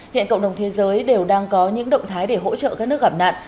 hiện cộng đồng thế giới đều đang có những động thái để hỗ trợ các nước gặp nạn